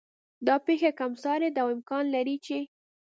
دا پېښه کم سارې ده او امکان لري چې